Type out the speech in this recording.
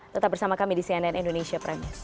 tetap bersama kami di cnn indonesia premiers